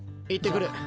行ってくる。